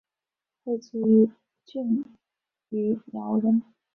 会稽郡余姚人。